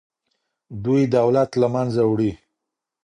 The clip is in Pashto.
دوی دولت له منځه وړي.